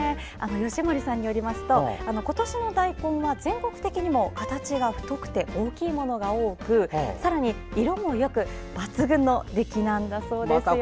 吉守さんによりますと今年の大根は全国的にも形が太くて大きいものが多くさらに色もよく抜群の出来なんだそうですよ。